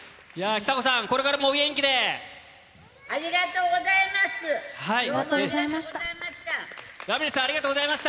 久子さん、これからもお元気ありがとうございます。